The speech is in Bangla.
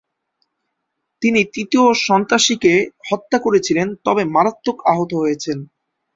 তিনি তৃতীয় সন্ত্রাসীকে হত্যা করেছিলেন তবে মারাত্মক আহত হয়েছেন।